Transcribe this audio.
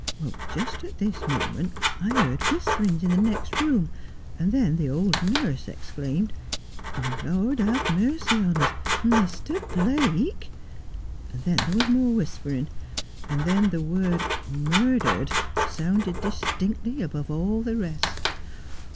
Just at this moment I heard whisperings in the next room, and then the old nurse exclaimed, " Lord have mercy on us, Mr. Blake !" and then there was more whispering, and then the word " murdered " sounded distinctly above all the rest.